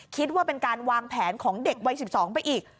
คิดว่าเป็นการวางแผนของเด็กวัย๑๒ไปอีก